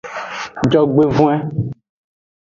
Jogbevoin.